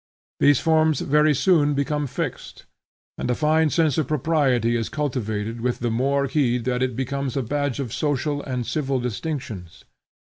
These forms very soon become fixed, and a fine sense of propriety is cultivated with the more heed that it becomes a badge of social and civil distinctions.